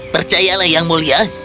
percayalah yang mulia